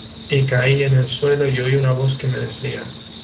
Y caí en el suelo, y oí una voz que me decía: